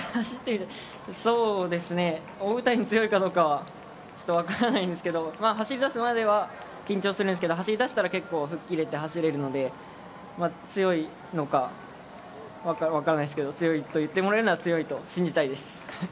大舞台に強いかどうかは分かりませんけど走り出すまでは緊張するんですけど走り出したら結構吹っ切れるので強いのか分からないですけど強いと言ってもらえるなら強いと信じたいです。